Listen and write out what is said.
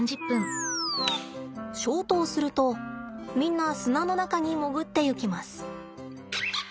消灯するとみんな砂の中に潜っていきます。